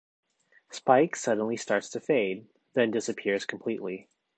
Spike suddenly starts to fade, then disappears completely.